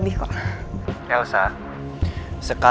aduh gitu juga ihre wajah samaankah